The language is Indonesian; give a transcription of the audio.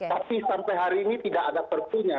tapi sampai hari ini tidak ada perpunya